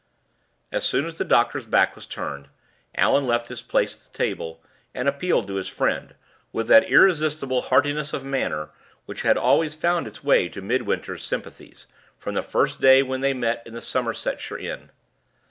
As soon as the doctor's back was turned, Allan left his place at the table, and appealed to his friend, with that irresistible heartiness of manner which had always found its way to Midwinter's sympathies, from the first day when they met at the Somersetshire inn.